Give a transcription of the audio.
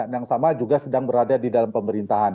yang sama juga sedang berada di dalam pemerintahan